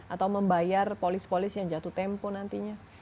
atau membayar polis polis yang jatuh tempo nantinya